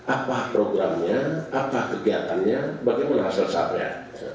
apa programnya apa kegiatannya bagaimana hasilnya